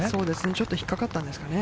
ちょっと引っかかったんですかね。